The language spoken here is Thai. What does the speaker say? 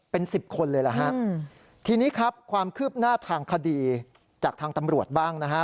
เป็นสิบคนเลยล่ะฮะทีนี้ครับความคืบหน้าทางคดีจากทางตำรวจบ้างนะฮะ